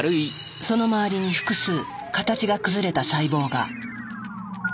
その周りに複数形が崩れた細胞が。